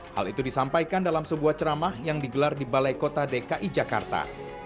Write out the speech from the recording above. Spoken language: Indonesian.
hal itu disampaikan dalam sebuah ceramah yang digelar di balai kota dki jakarta